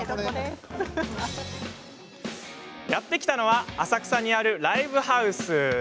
やって来たのは浅草にあるライブハウス。